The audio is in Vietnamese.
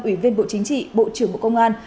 ủy viên bộ chính trị bộ trưởng bộ công an